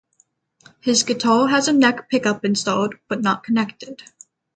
His guitar has a neck pickup installed, but not connected.